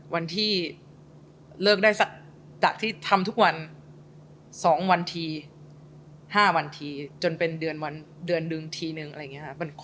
วันที่เลิกได้สักจากที่ทำทุกวัน๒วันที๕วันทีจนเป็นเดือนหนึ่งทีนึงอะไรอย่างนี้ครับ